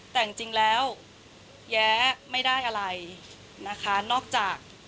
แต่จริงแล้วแย้ไม่ได้อะไรนะคะนอกจาก